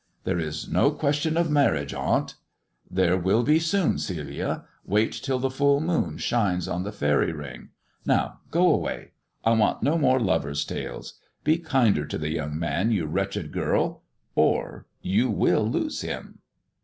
" There is no question of marriage, aunt !" "There will be soon, Celia. Wait till the full m( shines on the faery ring. Now go av^ay. I want no m^ lovers' tales. Be kinder to the young man, you wretcl girl, or you will lose him."